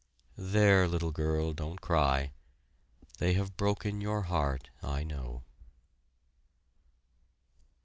There, little girl, don't cry! They have broken your heart, I know.